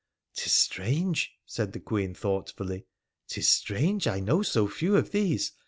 ' 'Tis strange,' said the Queen, thoughtfully, ' 'tis strange I know so few of these.